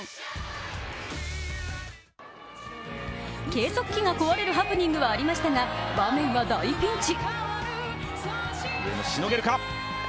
計測器が壊れるハプニングはありましたが場面は大ピンチ。